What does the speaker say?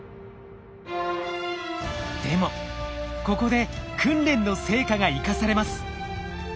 でもここで訓練の成果が生かされます。